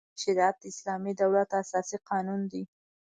شریعت د اسلامي دولت اساسي قانون دی.